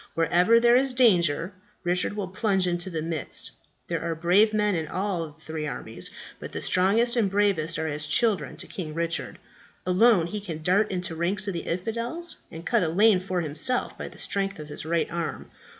Wherever there is danger, Richard will plunge into the midst. There are brave men in all the three armies; but the strongest and bravest are as children to King Richard. Alone he can dart into ranks of the infidels, and cut a lane for himself by the strength of his right arm.